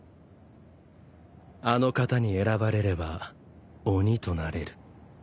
あの方に選ばれれば鬼となれる。